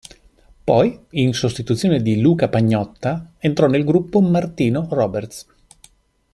Poi, in sostituzione di Luca Pagnotta, entrò nel gruppo Martino Roberts.